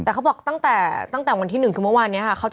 แต่เขาบอกตั้งแต่วันที่๑คือเมื่อวานนี้ค่ะ